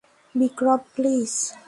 Vikram, please!